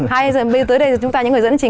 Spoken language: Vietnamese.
hay là tới đây chúng ta những người dẫn hình trình